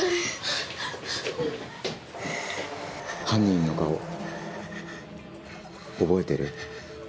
犯人の顔覚えてる？